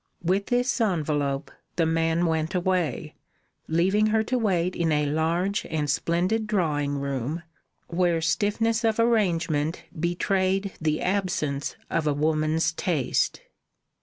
With this envelope the man went away, leaving her to wait in a large and splendid drawing room, where stiffness of arrangement betrayed the absence of a woman's taste.